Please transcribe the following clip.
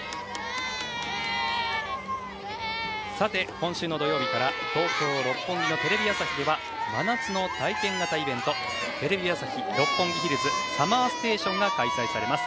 今週の土曜日から東京・六本木のテレビ朝日では真夏の体験型イベント「テレビ朝日・六本木ヒルズＳＵＭＭＥＲＳＴＡＴＩＯＮ」が開催されます。